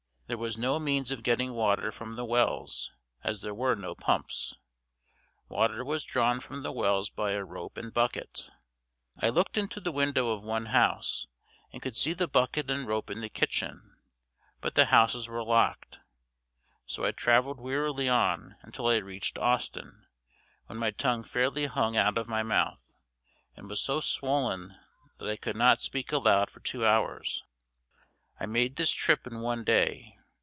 There was no means of getting water from the wells, as there were no pumps. Water was drawn from the wells by a rope and bucket. I looked into the window of one house and could see the bucket and rope in the kitchen, but the houses were locked. So I traveled wearily on until I reached Austin, when my tongue fairly hung out of my mouth, and was so swollen that I could not speak aloud for two hours. I made this trip in one day.